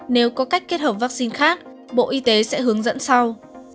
nếu có cách kết hợp vaccine khác bộ y tế sẽ hướng dẫn sau